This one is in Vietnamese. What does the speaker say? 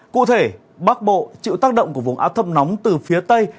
cụ thể bắc bộ chịu tác động của vùng áp thấp nóng từ phía tây